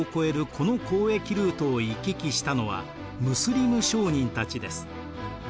この交易ルートを行き来したのはムスリム商人たちです。